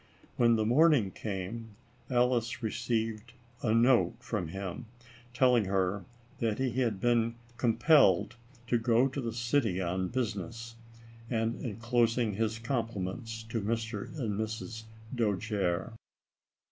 When the morning came, Alice received a note from him, telling her that he had been compelled 46 ALICE ; OR, THE WAGES OF SIN. to go to the city on business and enclosing his compliments to Mr. and Mrs. Dojere.